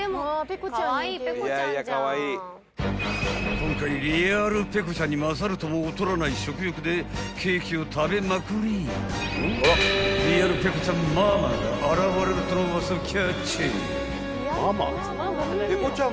［今回リアルペコちゃんに勝るとも劣らない食欲でケーキを食べまくりなリアルペコちゃんママが現れるとのウワサをキャッチ］